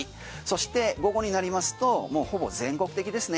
そして午後になりますともうほぼ全国的ですね